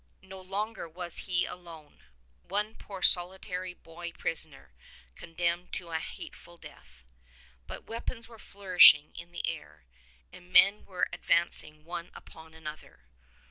No longer was he alone — one poor solitary boy prisoner, con demned to a hateful death. But weapons were flourishing in the air, and men were advancing one upon another.